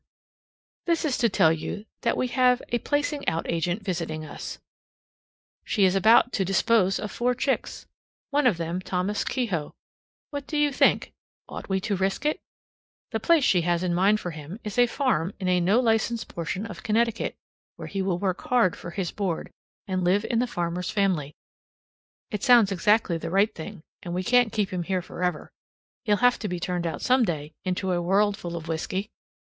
This is to tell you that we have a placing out agent visiting us. She is about to dispose of four chicks, one of them Thomas Kehoe. What do you think? Ought we to risk it? The place she has in mind for him is a farm in a no license portion of Connecticut, where he will work hard for his board, and live in the farmer's family. It sounds exactly the right thing, and we can't keep him here forever; he'll have to be turned out some day into a world full of whisky.